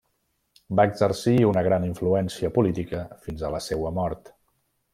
Va exercir una gran influència política fins a la seua mort.